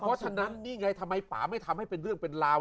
เพราะฉะนั้นนี่ไงทำไมป่าไม่ทำให้เป็นเรื่องเป็นราว